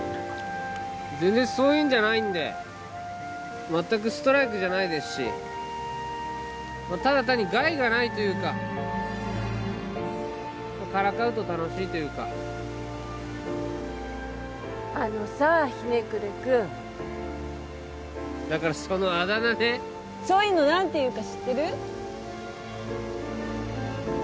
全然そういうんじゃないんで全くストライクじゃないですしただ単に害がないというかからかうと楽しいというかあのさひねくれ君だからそのあだ名ねそういうの何て言うか知ってる？